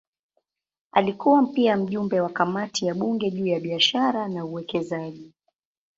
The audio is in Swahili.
Alikuwa pia mjumbe wa kamati ya bunge juu ya biashara na uwekezaji.